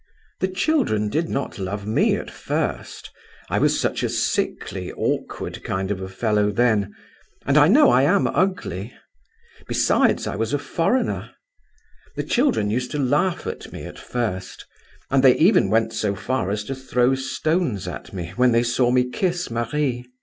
"The children did not love me at first; I was such a sickly, awkward kind of a fellow then—and I know I am ugly. Besides, I was a foreigner. The children used to laugh at me, at first; and they even went so far as to throw stones at me, when they saw me kiss Marie.